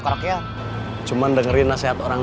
kau meniru kalau kita datang